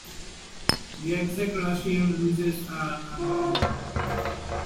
The exact Russian losses are unknown.